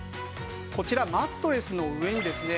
こちらマットレスの上にですね